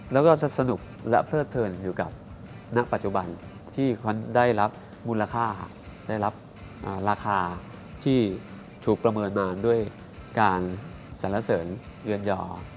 แล้วก็สนุกและเพลิดเทินอยู่กับณปัจจุบันที่ได้รับมูลค่าได้รับราคาที่ถูกประเมินมาด้วยการสรรเสริญเรือนยอ